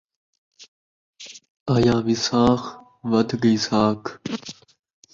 آیا وِساخ ودھ ڳئی ساکھ